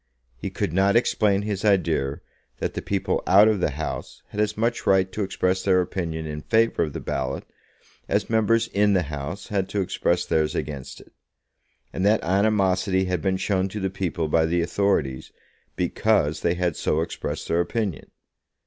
He could not explain his idea that the people out of the House had as much right to express their opinion in favour of the ballot as members in the House had to express theirs against it; and that animosity had been shown to the people by the authorities because they had so expressed their opinion.